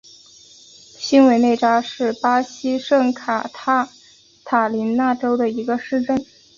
新韦内扎是巴西圣卡塔琳娜州的一个市镇。